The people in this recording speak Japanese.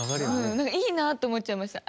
いいなって思っちゃいました。